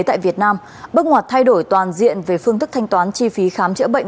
tại việt nam bước ngoặt thay đổi toàn diện về phương thức thanh toán chi phí khám chữa bệnh